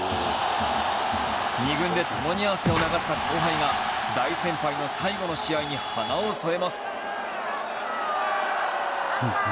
二軍で共に汗を流した後輩が大先輩の最後の試合に華を添えます。